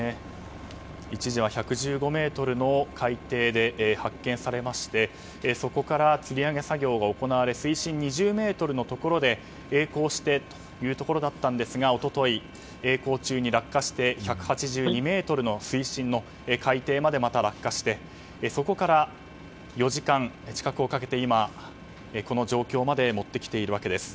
一時は１１５ｍの海底で発見されましてそこからつり上げ作業が行われ水深２０ｍのところで曳航してというところでしたが一昨日、曳航中に落下して１８２ｍの水深の海底までまた落下してそこから４時間近くをかけて今、この状況まで持ってきているわけです。